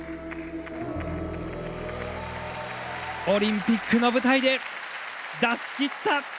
オリンピックの舞台で出しきった！